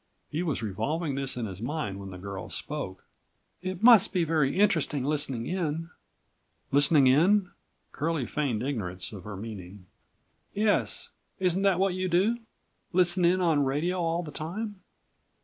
He was revolving this in his mind when the girl spoke: "It must be very interesting listening in." "Listening in?" Curlie feigned ignorance of her meaning. "Yes, isn't that what you do? Listen in on radio all the time?"